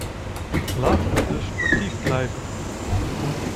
Laten we dus sportief blijven!